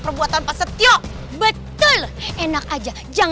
aku pasti uang dikalahkan